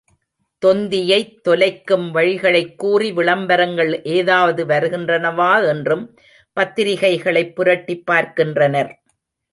தொந்தியைத் தொலைக்கும் வழிகளைக் கூறி, விளம்பரங்கள் ஏதாவது வருகின்றனவா என்றும் பத்திரிக்கைகளைப் புரட்டிப் பார்க்கின்றனர்.